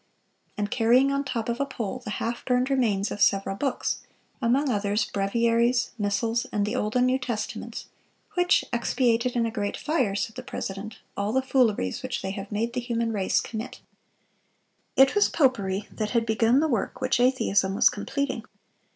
_" and carrying on the top of a pole the half burned remains of several books, among others breviaries, missals, and the Old and New Testaments, which "expiated in a great fire," said the president, "all the fooleries which they have made the human race commit."(407) It was popery that had begun the work which atheism was completing.